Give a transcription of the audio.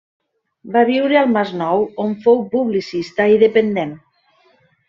Va viure al Masnou, on fou publicista i dependent.